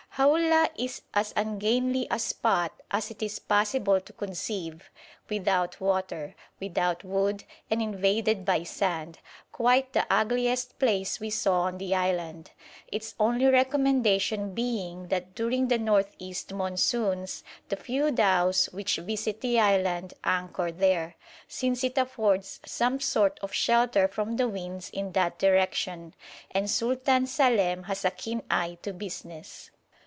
Haula is as ungainly a spot as it is possible to conceive without water, without wood, and invaded by sand quite the ugliest place we saw on the island, its only recommendation being that during the north east monsoons the few dhows which visit the island anchor there, since it affords some sort of shelter from the winds in that direction, and Sultan Salem has a keen eye to business.